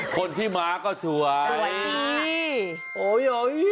คนที่ม้าก็สวย